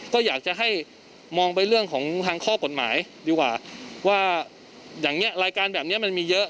ก็อยากจะให้มองไปเรื่องของทางข้อกฎหมายดีกว่าว่าอย่างนี้รายการแบบนี้มันมีเยอะ